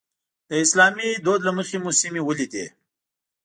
د اسلامي دود له مخې مو سیمې ولیدې.